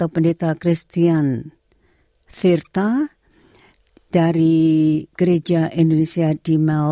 selamat sore bu siti